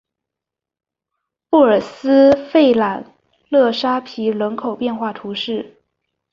布尔斯弗朗勒沙皮人口变化图示